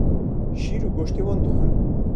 Şîr û goştê wan dixwin.